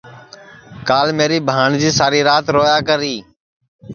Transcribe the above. کال میری بھانٚٹؔجی ساری رات رویا کری